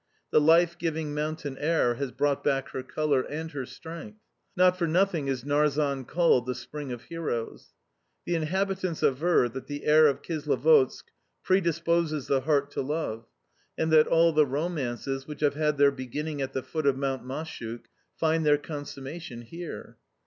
The life giving mountain air has brought back her colour and her strength. Not for nothing is Narzan called the "Spring of Heroes." The inhabitants aver that the air of Kislovodsk predisposes the heart to love and that all the romances which have had their beginning at the foot of Mount Mashuk find their consummation here.